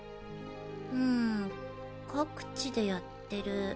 うん各地でやってる。